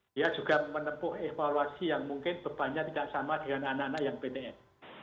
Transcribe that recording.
dia juga menempuh evaluasi yang mungkin bebannya tidak sama dengan anak anak yang ptm